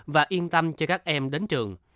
và yên tâm cho các em đến trường